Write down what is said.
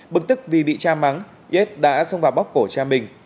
bực tức vì bị cha mắng yết đã xông vào bóc cổ cha mình